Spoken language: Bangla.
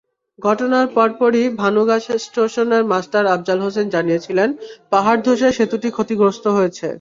ঘটনার পরপরই ভানুগাছ স্টেশনের মাস্টার আফজাল হোসেন জানিয়েছিলেন, পাহাড় ধসে সেতুটি ক্ষতিগ্রস্ত হয়।